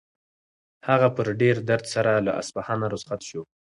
هغه په ډېر درد سره له اصفهانه رخصت شو.